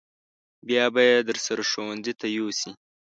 بیا به یې درسره ښوونځي ته یوسې.